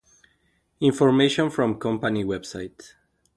Information from company website.